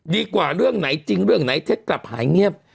เรื่องไหนจริงเรื่องไหนเท็จกลับหายเงียบ